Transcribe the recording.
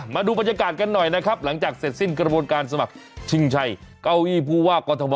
มาดูบรรยากาศกันหน่อยนะครับหลังจากเสร็จสิ้นกระบวนการสมัครชิงชัยเก้าอี้ผู้ว่ากอทม